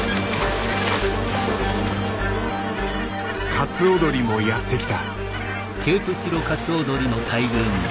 カツオドリもやって来た。